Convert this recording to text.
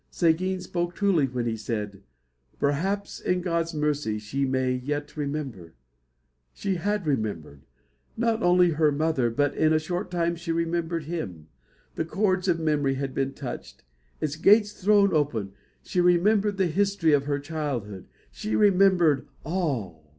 Seguin spoke truly when he said, "Perhaps in God's mercy she may yet remember." She had remembered not only her mother, but in a short time she remembered him. The chords of memory had been touched, its gates thrown open. She remembered the history of her childhood. She remembered all!